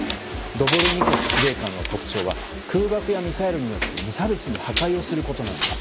ドボルニコフ司令官の特徴は空爆やミサイルによって無差別に破壊をすることなんです。